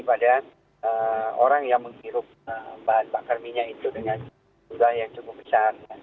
pada orang yang menghirup bahan bakar minyak itu dengan jumlah yang cukup besar